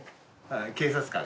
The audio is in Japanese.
警察官が。